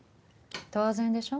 当然でしょ。